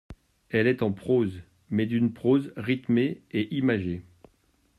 Elle est en prose, mais d'une prose rythmée et imagée.